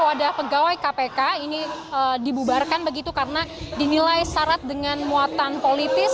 wadah pegawai kpk ini dibubarkan begitu karena dinilai syarat dengan muatan politis